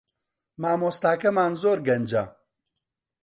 مامۆستاکەمان زۆر گەنجە